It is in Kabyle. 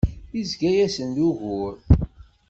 Izga-asen d ugur.